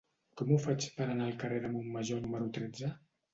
Com ho faig per anar al carrer de Montmajor número tretze?